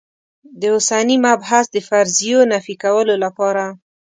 د اوسني مبحث د فرضیو نفي کولو لپاره.